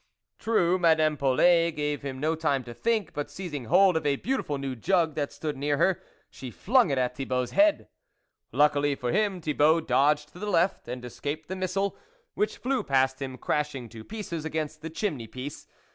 True, Madame Polet, gave him no time to think, but seizing hold of a beautiful new jug that stood near her, she flung it at Thibault's head. Luckily for him, Thibault dodged to the left and escaped the missile, which flew past him, crashing to pieces against the chimney piece.